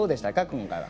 今回は。